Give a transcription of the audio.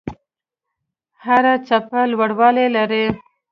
هره څپه لوړوالی لري.